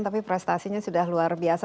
tapi prestasinya sudah luar biasa